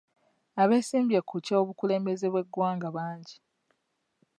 Abesimbye ku ky'obukulembeze bw'eggwanga bangi.